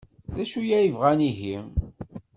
D acu ay bɣan ihi?